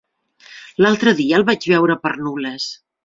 L'altre dia el vaig veure per Nules.